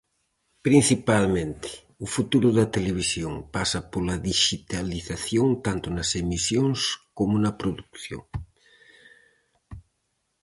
Principalmente o futuro da televisión pasa pola dixitalización tanto nas emisións como na produción.